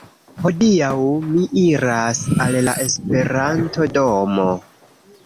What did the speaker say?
Hodiaŭ mi iras al la Esperanto-domo